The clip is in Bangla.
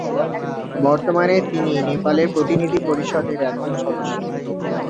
বর্তমানে তিনি নেপালের প্রতিনিধি পরিষদের একজন সদস্য।